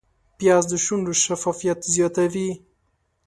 پیاز د شونډو شفافیت زیاتوي